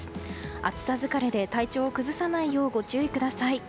暑さ疲れで体調を崩さないようご注意ください。